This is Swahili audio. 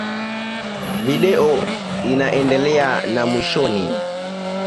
Video inaendelea na mwishoni.